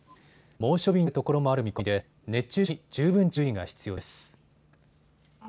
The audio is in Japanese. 猛暑日になる所もある見込みで熱中症に十分注意が必要です。